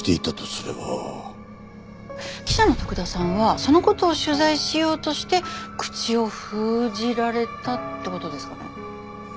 記者の徳田さんはその事を取材しようとして口を封じられたって事ですかね？